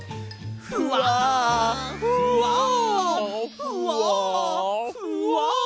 ふわふわふわふわ。